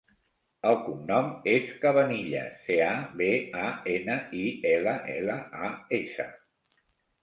El cognom és Cabanillas: ce, a, be, a, ena, i, ela, ela, a, essa.